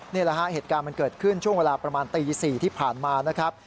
นี่แหละฮะเหตุการณ์มันเกิดขึ้นช่วงเวลาประมาณตี๔ที่ผ่านมานะครับ